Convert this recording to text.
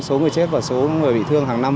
số người chết và số người bị thương hàng năm